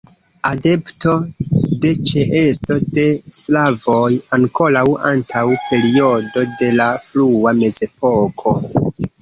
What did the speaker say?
Adepto de ĉeesto de slavoj ankoraŭ antaŭ periodo de la frua mezepoko.